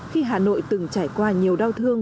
khi hà nội từng trải qua nhiều đau thương